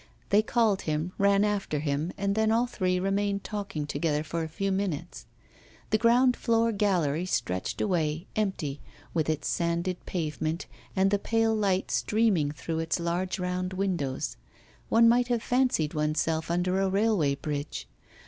They called him, ran after him, and then all three remained talking together for a few minutes. The ground floor gallery stretched away, empty, with its sanded pavement, and the pale light streaming through its large round windows. One might have fancied oneself under a railway bridge.